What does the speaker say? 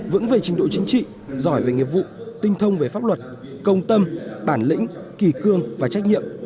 vững về trình độ chính trị giỏi về nghiệp vụ tinh thông về pháp luật công tâm bản lĩnh kỳ cương và trách nhiệm